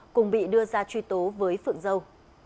cùng bị đưa ra truy tố với phượng dâu